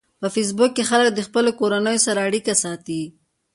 په فېسبوک کې خلک د خپلو کورنیو سره اړیکه ساتي